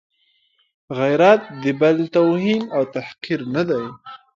غیرت د بل توهین او تحقیر نه دی.